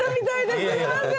すいません。